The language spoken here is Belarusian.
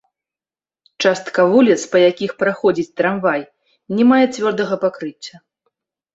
Частка вуліц, па якіх праходзіць трамвай, не мае цвёрдага пакрыцця.